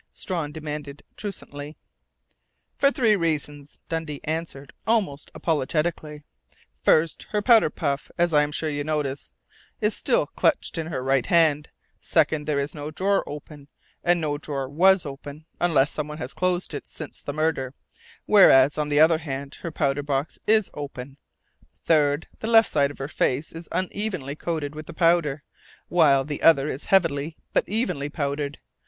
Strawn demanded truculently. "For three reasons," Dundee answered almost apologetically. "First: her powder puff, as I'm sure you noticed, is still clutched in her right hand; second: there is no drawer open, and no drawer was open, unless someone has closed it since the murder, whereas on the other hand her powder box is open; third: the left side of her face is unevenly coated with powder, while the other is heavily but evenly powdered.